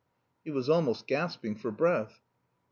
He was almost gasping for breath.